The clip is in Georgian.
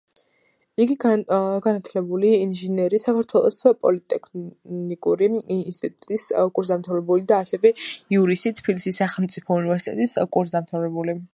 იყო განათლებული ინჟინერი, საქართველოს პოლიტექნიკური ინსტიტუტის კურსდამთავრებული და ასევე იურისტი, თბილისის სახელმწიფო უნივერსიტეტის კურსდამთავრებული.